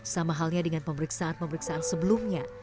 sama halnya dengan pemeriksaan pemeriksaan sebelumnya